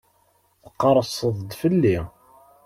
Tqerrseḍ-d fell-i.